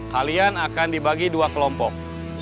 halian akan dibagi dua kelompok